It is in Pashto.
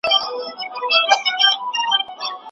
اوس فکر بدلون مومي.